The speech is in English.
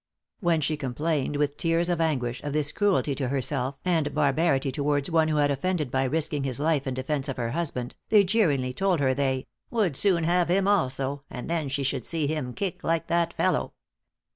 When she complained with tears of anguish, of this cruelty to herself, and barbarity towards one who had offended by risking his life in defence of her husband, they jeeringly told her they "would soon have him also, and then she should see him kick like that fellow."